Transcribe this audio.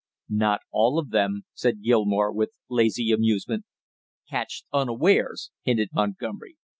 "Not all of them!" said Gilmore, with lazy amusement. "Catched unawares?" hinted Montgomery.